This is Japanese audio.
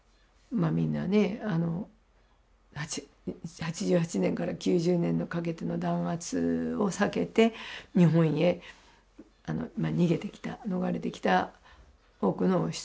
みんなね８８年から９０年にかけての弾圧を避けて日本へ逃げてきた逃れてきた多くの人はそういう経緯を持ってると。